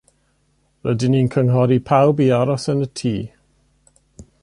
Rydyn ni'n cynghori pawb i aros yn y tŷ.